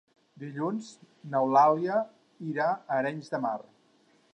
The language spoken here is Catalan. Dilluns n'Eulàlia irà a Arenys de Mar.